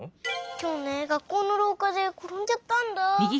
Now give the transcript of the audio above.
きょうね学校のろうかでころんじゃったんだ。